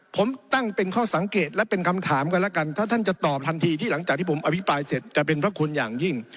ผมตั้งเป็นข้อสังเกตและเป็นคำถามกันแล้วกัน